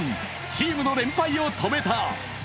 チームの連敗を止めた。